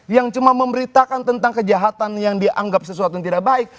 yang cuma memberitakan tentang kejahatan yang dianggap sesuatu yang tidak baik